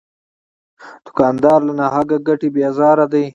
دوکاندار له ناحقه ګټې بیزاره دی.